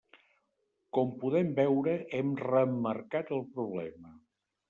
Com podem veure, hem reemmarcat el problema.